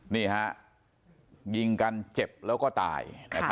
นี่ฮะยิงกันเจ็บแล้วก็ตาย